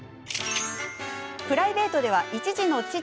プライベートでは一児の父。